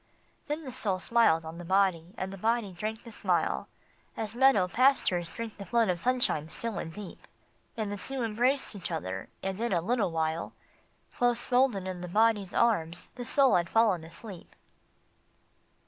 Then the Soul smiled on the Body, and the Body drank the smile, As meadow pastures drink the flood of sunshine still and deep ; And the two embraced each other, and in a little while, Close folded in the Body s arms, the Soul had fallen asleep.